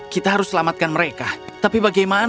kita harus selamatkan mereka tapi bagaimana